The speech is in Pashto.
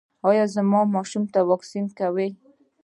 ایا زما ماشوم ته واکسین کوئ؟